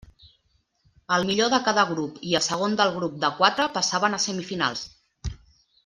El millor de cada grup i el segon del grup de quatre passaven a semifinals.